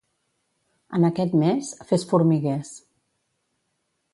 En aquest mes, fes formiguers.